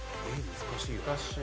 難しい。